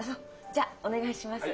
じゃあお願いします。